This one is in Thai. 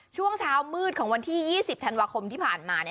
ช่วงเช้ามืดของวันที่๒๐ธันวาคมที่ผ่านมา